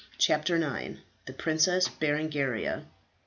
CHAPTER IX. THE PRINCESS BERENGARIA.